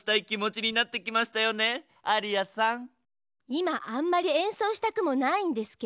今あんまりえんそうしたくもないんですけど。